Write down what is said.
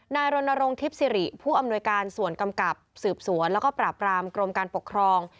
รณรงค์ทิพย์สิริผู้อำนวยการส่วนกำกับสืบสวนแล้วก็ปราบรามกรมการปกครอง